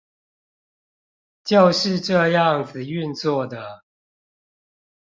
就是這樣子運作的